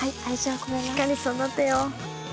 しっかり育てよ。